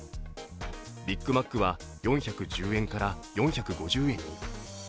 ビッグマックは４１０円から４５０円に。